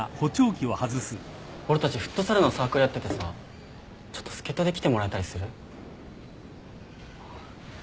俺たちフットサルのサークルやっててさちょっと助っ人で来てもらえたりする？